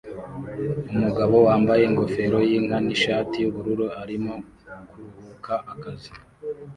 Umugabo wambaye ingofero yinka nishati yubururu arimo kuruhuka akazi